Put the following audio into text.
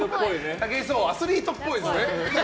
武井壮、アスリートっぽい。